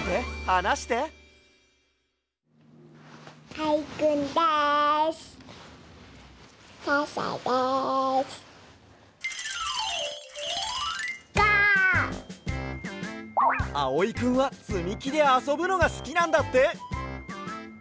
あおいくんはつみきであそぶのがすきなんだって！